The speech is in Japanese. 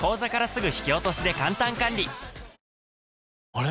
あれ？